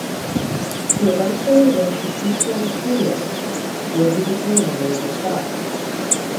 He eventually went to Keystone Studios, where he became a major star.